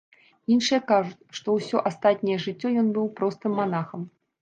Іншыя кажуць, што ўсё астатняе жыццё ён быў простым манахам.